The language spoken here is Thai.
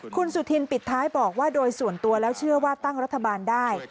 คุณสุธินปิดท้ายบอกว่าโดยส่วนตัวแล้วเชื่อว่าตั้งรัฐบาลได้